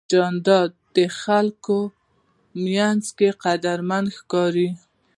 جانداد د خلکو منځ کې قدرمن ښکاري.